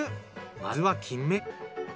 まずは金目鯛。